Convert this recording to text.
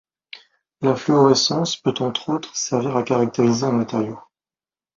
La fluorescence peut entre autres servir à caractériser un matériau.